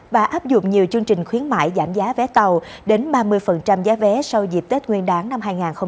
và áp dụng nhiều chương trình khuyến mại giảm giá vé tàu đến ba mươi giá vé sau dịp tết nguyên đáng năm hai nghìn hai mươi bốn